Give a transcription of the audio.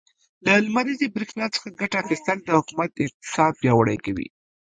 له لمريزې برښنا څخه ګټه اخيستل, د حکومت اقتصاد پياوړی کوي.